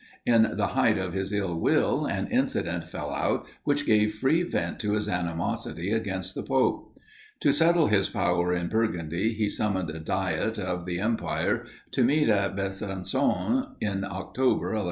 In the height of his ill will, an incident fell out which gave free vent to his animosity against the pope. To settle his power in Burgundy, he summoned a Diet of the Empire to meet at Besancon, in October, 1157.